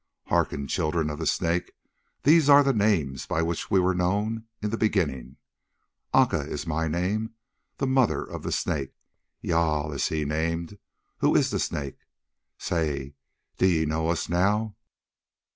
Hearken, Children of the Snake, these are the names by which we were known in the beginning: Aca is my name, the Mother of the Snake. Jâl is he named, who is the Snake. Say, do ye know us now?"